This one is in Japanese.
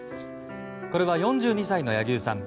これは、４２歳の柳生さん。